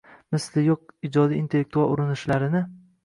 – misli yo‘q ijodiy-intellektual urinishlarini